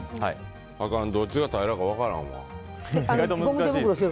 あかん、どっちが平らか分からんわ。